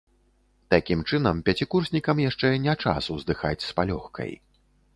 Такім чынам, пяцікурснікам яшчэ не час уздыхаць з палёгкай.